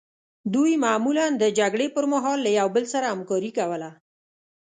دوی معمولا د جګړې پرمهال له یو بل سره همکاري کوله.